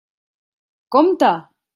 Compte!